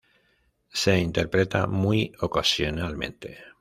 Se interpreta muy ocasionalmente.